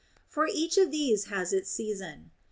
For each of these has its sea son.